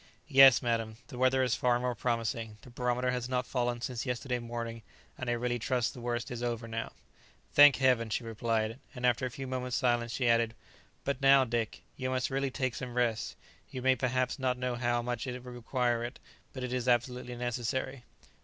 "Yes, madam, the weather is far more promising; the barometer has not fallen since yesterday morning, and I really trust the worst is over now." "Thank Heaven!" she replied, and after a few moments' silence, she added. "But now, Dick, you must really take some rest; you may perhaps not know how much you require it; but it is absolutely necessary."